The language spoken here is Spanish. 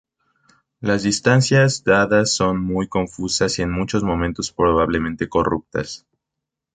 Las distancias dadas son muy confusas, y en muchos momentos probablemente corruptas.